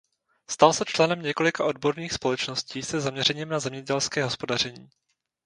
Stal se členem několika odborných společností se zaměřením na zemědělské hospodaření.